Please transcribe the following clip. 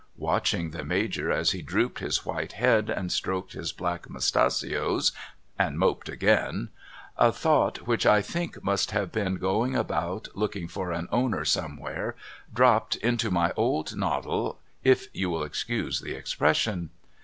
^^'atching the Major as he drooped his white head and stroked his black mustachios and moped again, a thought which I think must have been going about looking for an owner somewhere dropped into my old noddle if you will excuse the expression.